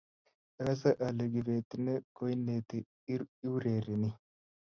agase ale kibet ne koinetin iureren